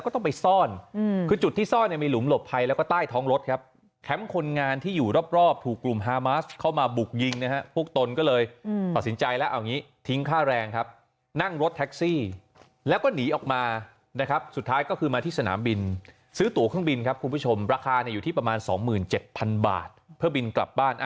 ก็เลยตัดสินใจแล้วเอาอย่างงี้ทิ้งค่าแรงครับนั่งรถแท็กซี่แล้วก็หนีออกมานะครับสุดท้ายก็คือมาที่สนามบินซื้อตั๋วเครื่องบินครับคุณผู้ชมราคาอยู่ที่ประมาณ๒๗๐๐๐บาทเพื่อบินกลับบ้าน